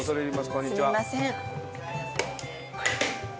こんにちは。